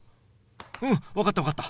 うん分かった分かった。